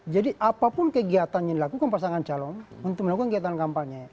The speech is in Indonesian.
jadi apapun kegiatan yang dilakukan pasangan calon untuk melakukan kegiatan kampanye